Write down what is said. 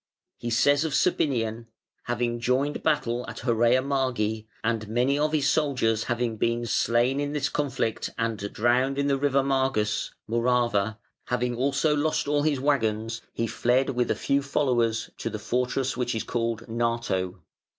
He says of Sabinian: "Having joined battle at Horrea Margi, and many of his soldiers having been slain in this conflict and drowned in the river Margus (Morava), having also lost all his wagons, he fled with a few followers to the fortress which is called Nato.